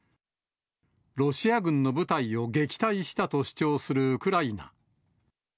ロシア軍の部隊を撃退したと主張するウクライナ。